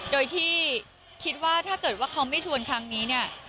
โดยที่คิดว่าถ้าเกิดว่าเขาไม่ชวนครั้งนี้เนี่ย